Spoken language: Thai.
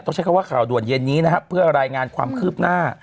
ใช้คำว่าข่าวด่วนเย็นนี้นะครับเพื่อรายงานความคืบหน้า